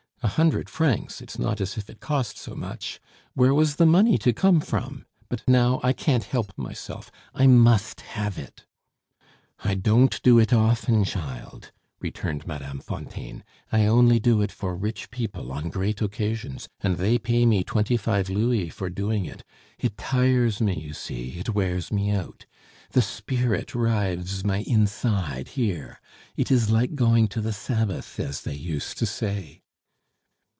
A hundred francs! It's not as if it cost so much! Where was the money to come from? But now I can't help myself, I must have it." "I don't do it often, child," returned Mme. Fontaine; "I only do it for rich people on great occasions, and they pay me twenty five louis for doing it; it tires me, you see, it wears me out. The 'Spirit' rives my inside, here. It is like going to the 'Sabbath,' as they used to say."